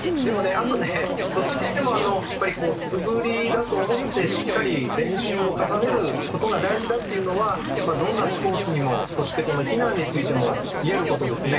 あとねどっちにしても素振りだと思ってしっかり練習を重ねることが大事だっていうのはどんなスポーツにもそしてこの避難についても言えることですね。